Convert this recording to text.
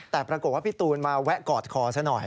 แต่ปรากฏว่าพี่ตูนมาแวะกอดคอซะหน่อย